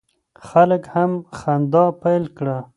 خلک هم خندا پیل کړه.